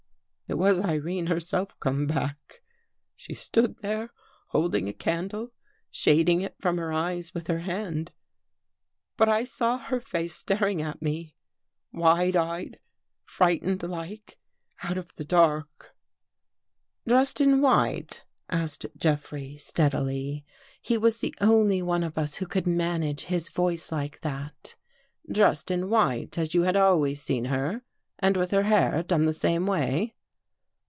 " It was Irene herself come back. She stood there holding a candle, shading it from her eyes with her hand. But I saw her face staring at me — wide eyed — frightened like, out of the dark." 18 265 THE GHOST GIRL "Dressed in white?'* asked Jeffrey steadily. He was the only one of us who could manage his voice like that. " Dressed in white as you had always seen her — and with her hair done the same way?